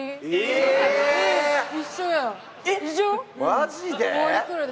マジで？